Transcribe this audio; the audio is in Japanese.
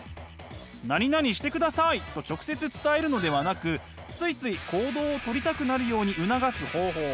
「何々してください」と直接伝えるのではなくついつい行動をとりたくなるように促す方法